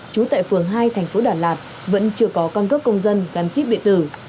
chú tại phường hai thành phố đà lạt vẫn chưa có căn cước công dân gắn chiếc địa tử